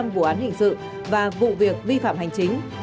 hai trăm bảy mươi năm vụ án hình sự và vụ việc vi phạm hành chính